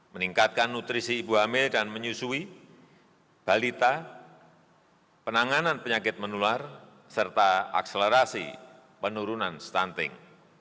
meningkatkan nutrisi ibu hamil dan menyusui balita penanganan penyakit menular serta akselerasi penurunan stunting